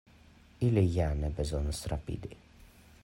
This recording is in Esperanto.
Ili ja ne bezonas rapidi.